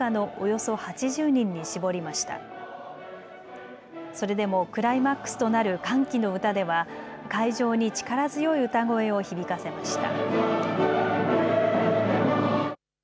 それでもクライマックスとなる歓喜の歌では会場に力強い歌声を響かせました。